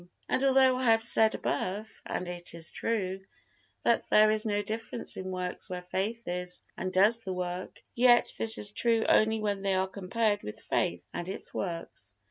And although I have said above, and it is true, that there is no difference in works where faith is and does the work, yet this is true only when they are compared with faith and its works.